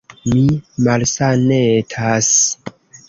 Mi malsanetas.